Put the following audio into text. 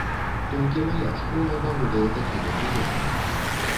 Толькі мая школа валодае такімі прыёмамі!